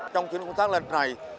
trong chuyến công tác lần này